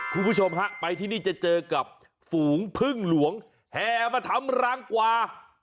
คุณผู้ชมฮะไปที่นี่จะเจอกับฝูงพึ่งหลวงแห่มาทำรังกวา